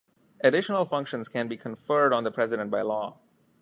Additional functions can be conferred on the President by law.